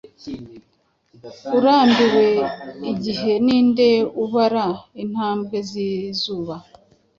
urambiwe igihe, Ninde ubara intambwe zizuba;